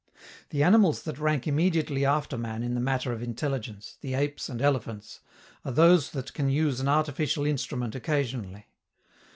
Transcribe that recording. The animals that rank immediately after man in the matter of intelligence, the apes and elephants, are those that can use an artificial instrument occasionally.